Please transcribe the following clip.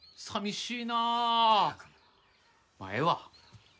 まあええわ。